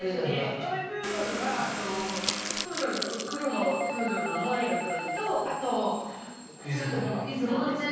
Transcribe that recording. トイプードルはプードルと黒のプードルのノエル君とあとプードルのいずもですね。